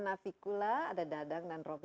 navikula ada dadang dan roby